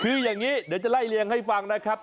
คืออย่างนี้เดี๋ยวจะไล่เลี่ยงให้ฟังนะครับ